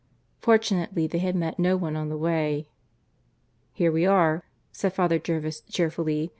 Fortunately they had met no one on the way. "Here we are," said Father Jervis cheerfully.